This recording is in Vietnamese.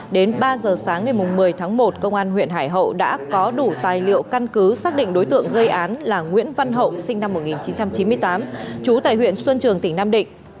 đến ba giờ sáng ngày một mươi tháng một công an huyện hải hậu đã có đủ tài liệu căn cứ xác định đối tượng gây án là nguyễn văn hậu sinh năm một nghìn chín trăm chín mươi tám trú tại huyện xuân trường tỉnh nam định